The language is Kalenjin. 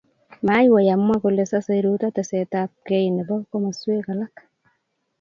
Maiwei amwaa kole sosei Ruto tesetaet ab kei nebo komaswek alak